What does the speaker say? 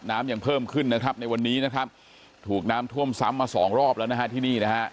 น้ำยังเพิ่มขึ้นนะครับในวันนี้นะครับถูกน้ำท่วมซ้ำมาสองรอบแล้วนะฮะที่นี่นะฮะ